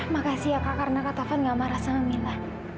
maksudnya kakak tidak mau berbicara sama mila